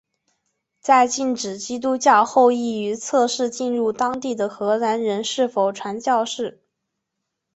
在禁止基督教后亦用于测试进入当地的荷兰人是否传教士。